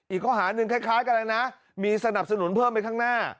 อีกข้อหาหนึ่งคล้ายกันแล้วนะมีสนับสนุนเพิ่มไปข้างหน้า